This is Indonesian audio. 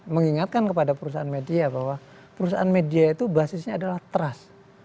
mengingatkan kepada perusahaan media bahwa perusahaan media itu basisnya adalah trust